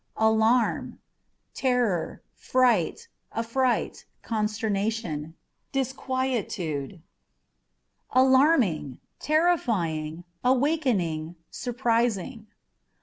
Alarm â€" terror, fright, affright, consternation, disquietude. 10 ALAâ€" ALT. Alarming â€" terrifying, awakening, surprising.